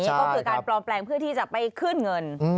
นี่ก็คือการปลอมแปลงเพื่อที่จะไปขึ้นเงิน